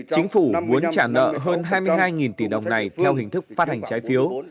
chính phủ muốn trả nợ hơn hai mươi hai tỷ đồng này theo hình thức phát hành trái phiếu